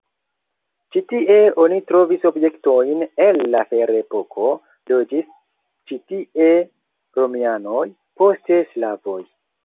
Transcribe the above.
Ĉi tie oni trovis objektojn el la ferepoko, loĝis ĉi tie romianoj, poste slavoj.